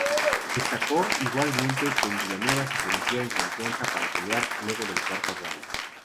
Destacó, igualmente, que Villanueva se sentía en confianza para pelear luego del cuarto round.